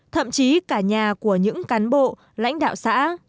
thậm chí cả nhà của những cán bộ lãnh đạo xã